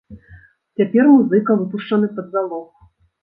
Цяпер музыка выпушчаны пад залог.